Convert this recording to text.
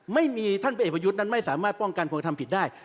ไม่มีท่านผู้เอกประยุทธ์นั้นไม่สามารถป้องกันผู้กระทำผิดได้